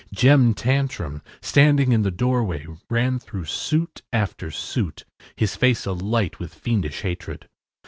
Jem Tantrum, standing in the doorway, ran through suit after suit, his face alight with fiendish hatred.